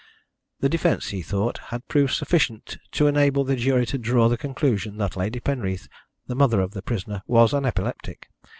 The defence, he thought, had proved sufficient to enable the jury to draw the conclusion that Lady Penreath, the mother of the prisoner, was an epileptic.